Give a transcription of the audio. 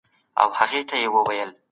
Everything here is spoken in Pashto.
په کتابتون کي د اړتیا وړ معلومات پیدا کړئ.